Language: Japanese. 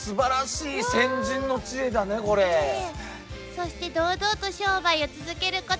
そして堂々と商売を続けることができたの。